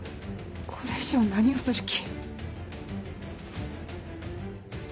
これ以上何をする気？